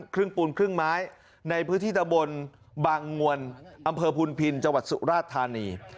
ครึ่งปูนครึ่งไม้ในพื้นที่ตะบนบางงวลอำเภอพุนพินจังหวัดสุราชธานี